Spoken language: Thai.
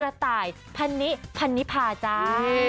ประต่ายพันนิพาจ้า